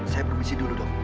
saya permisi dulu dok